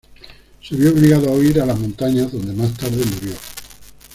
Se vio obligado a huir a las montañas, donde más tarde murió.